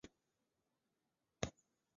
海南便蛛为缕网蛛科便蛛属的动物。